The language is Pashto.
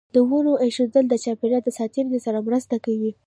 د ونو ایښودل د چاپیریال ساتنې سره مرسته کوي.